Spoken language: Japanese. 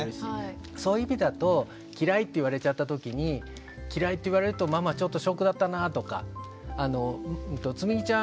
そういう意味だと「嫌い」って言われちゃったときに「嫌いって言われるとママちょっとショックだったなぁ」とか「つむぎちゃん